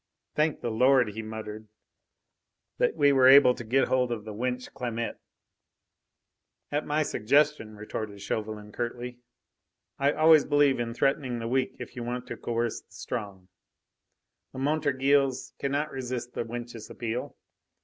"Thank the Lord," he muttered, "that we were able to get hold of the wench Clamette!" "At my suggestion," retorted Chauvelin curtly. "I always believe in threatening the weak if you want to coerce the strong. The Montorgueils cannot resist the wench's appeal.